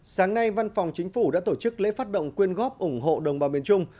sáng nay văn phòng chính phủ đã tổ chức lễ phát động quyên góp ủng hộ đồng bào miền trung